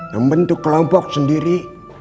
membentuk kelompok sendiri